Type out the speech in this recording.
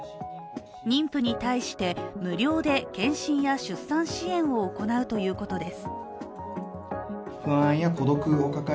妊婦に対して、無料で健診や出産支援を行うということです。